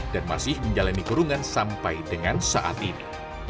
dan masih menjalani kurungan sampai dengan saat ini